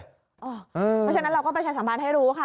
เพราะฉะนั้นเราก็ประชาสัมพันธ์ให้รู้ค่ะ